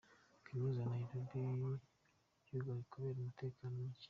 Kaminuza ya Nairobi yugawe kubera umutekano muke.